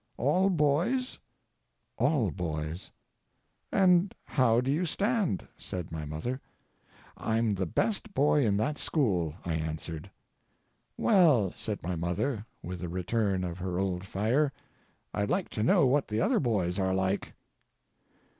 "All boys?" "All boys." "And how do you stand?" said my mother. "I'm the best boy in that school," I answered. "Well," said my mother, with a return of her old fire, "I'd like to know what the other boys are like."